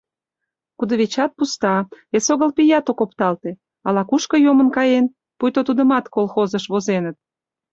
Кудывечат пуста, эсогыл пият ок опталте, ала-кушко йомын каен, пуйто тудымат колхозыш возеныт.